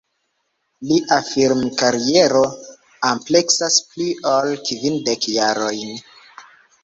Lia film-kariero ampleksas pli ol kvindek jarojn.